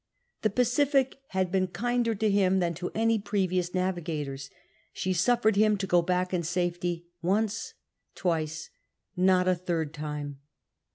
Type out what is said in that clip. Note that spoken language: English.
The Pacific had been kinder to him than to any previous navigators ; she suffered him to go back in safety, once, twice, — not a third time.